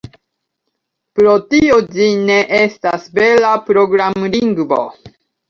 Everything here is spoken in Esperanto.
Pro tio ĝi ne estas vera programlingvo.